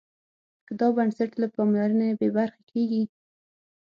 که دا بنسټ له پاملرنې بې برخې کېږي.